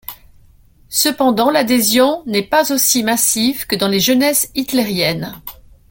Cependant, l'adhésion n'est pas aussi massive que dans les Jeunesses hitlériennes.